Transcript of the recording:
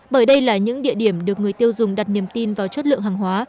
bởi đây là những địa điểm được người tiêu dùng đặt niềm tin vào chất lượng hàng hóa